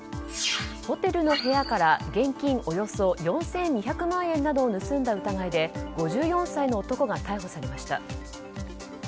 ホテルの部屋から現金およそ４２００万円などを盗んだ疑いで５４歳の男が逮捕されました。